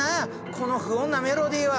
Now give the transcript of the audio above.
この不穏なメロディーは！